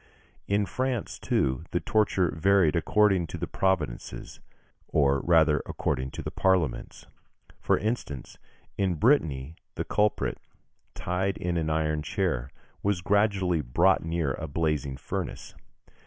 In France, too, the torture varied according to the provinces, or rather according to the parliaments. For instance, in Brittany the culprit, tied in an iron chair, was gradually brought near a blazing furnace.